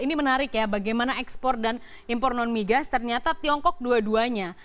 ini menarik ya bagaimana ekspor dan impor non migas ternyata tiongkok dua duanya